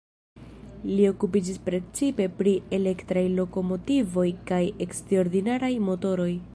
Li okupiĝis precipe pri elektraj lokomotivoj kaj eksterordinaraj motoroj.